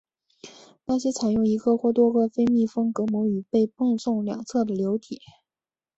那些采用一个或多个非密封隔膜与被泵送两侧的流体。